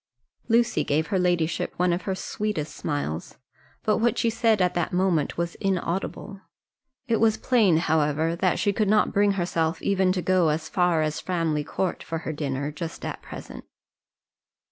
Lucy gave her ladyship one of her sweetest smiles, but what she said at that moment was inaudible. It was plain, however, that she could not bring herself even to go as far as Framley Court for her dinner just at present.